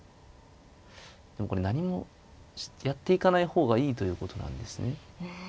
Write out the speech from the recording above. でもこれ何もやっていかない方がいいということなんですね。